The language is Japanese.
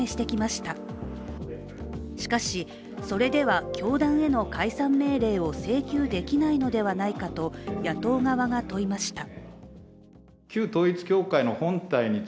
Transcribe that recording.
しかし、それでは教団への解散命令を請求できないのではないかと野党側が問いました。